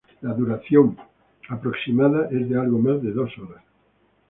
La duración aproximada es de algo más de dos horas.